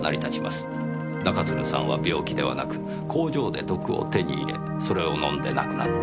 中津留さんは病気ではなく工場で毒を手に入れそれを飲んで亡くなった。